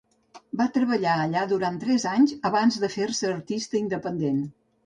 Va treballar allà durant tres anys abans de fer-se artista independent.